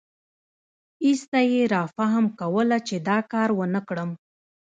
ایسته یې رافهم کوله چې دا کار ونکړم.